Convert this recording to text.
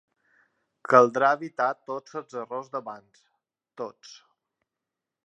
Caldrà evitar tots els errors d’abans: tots.